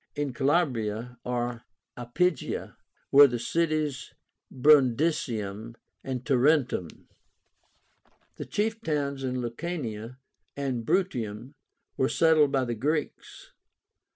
In Calabria (or Iapygia) were the cities of Brundisium and Tarentum. The chief towns in Lucania and Bruttium were settled by the Greeks.